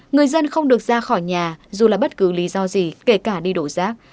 người dân không được ra khỏi nhà dù là bất cứ lý do gì kể cả đi đổ rác